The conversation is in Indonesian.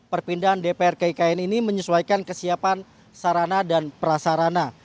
perpindahan dpr ke ikn ini menyesuaikan kesiapan sarana dan prasarana